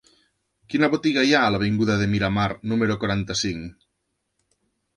Quina botiga hi ha a l'avinguda de Miramar número quaranta-cinc?